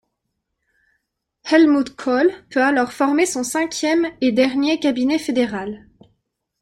Helmut Kohl peut alors former son cinquième et dernier cabinet fédéral.